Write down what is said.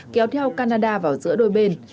kéo theo canada vào giữa đôi bên